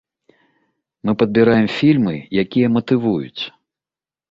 Мы падбіраем фільмы, якія матывуюць.